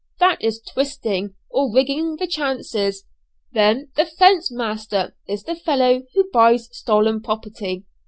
That is 'twisting,' or ringing the changes. Then the 'fence master' is the fellow who buys stolen property.